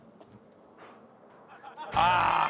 ああ！